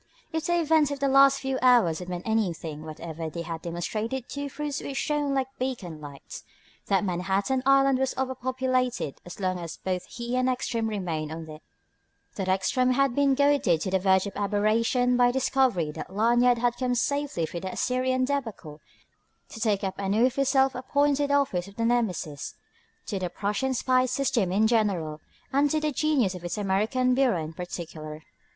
If the events of the last few hours had meant anything whatever they had demonstrated two truths which shone like beacon lights: that Manhattan Island was overpopulated as long as both he and Ekstrom remained on it; that Ekstrom had been goaded to the verge of aberration by the discovery that Lanyard had come safely through the Assyrian débâcle to take up anew his self appointed office of Nemesis to the Prussian spy system in general and to the genius of its American bureau in particular.